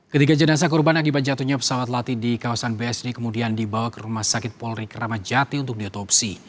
ketiga jenazah korban akibat jatuhnya pesawat latih di kawasan bsd kemudian dibawa ke rumah sakit polri kramajati untuk diotopsi